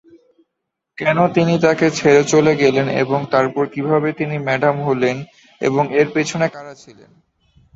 কেন তিনি তাকে ছেড়ে চলে গেলেন এবং তারপর কীভাবে তিনি ম্যাডাম হলেন এবং এর পিছনে কারা ছিলেন।